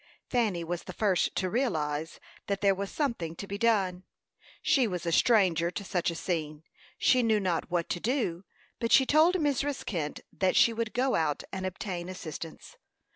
Fanny was the first to realize that there was something to be done: she was a stranger to such a scene; she knew not what to do; but she told Mrs. Kent that she would go out and obtain assistance.